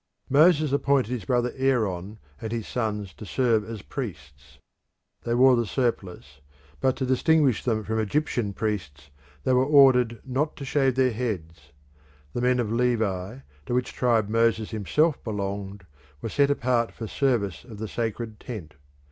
Moses appointed his brother Aaron and his sons to serve as priests; they wore the surplice, but to distinguish them from Egyptian priests they were ordered not to shave their heads. The men of Levi, to which tribe Moses himself belonged, were set apart for the service of the sacred tent.